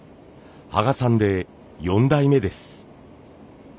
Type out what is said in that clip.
羽賀さんで４代目です。